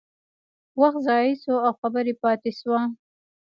وخت ضایع شو او خبره پاتې شوه.